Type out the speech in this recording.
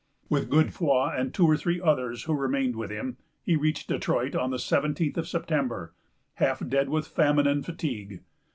With Godefroy and two or three others who remained with him, he reached Detroit on the seventeenth of September, half dead with famine and fatigue.